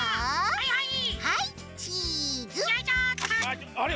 はいはい。